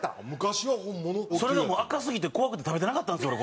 それが赤すぎて怖くて食べてなかったんですよ